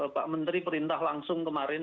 pak menteri perintah langsung kemarin